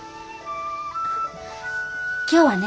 今日はね